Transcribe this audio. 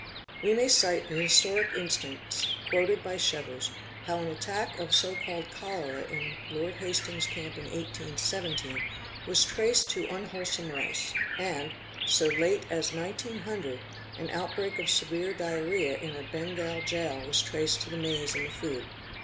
We may cite the historic instance quoted by Chevers how an attack of called cholera in Lord Hastings' camp in 1817 was traced to unwhole me rice; and, so late as 1900, an out break of severe diarrhcea in a sngal jail was traced to the maize in the food.